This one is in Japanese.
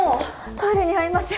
トイレにはいません